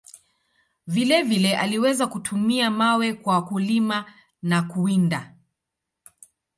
Vile vile, aliweza kutumia mawe kwa kulima na kuwinda.